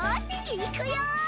いくよ！